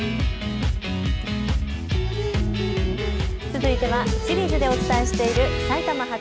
続いてはシリーズでお伝えしている埼玉発！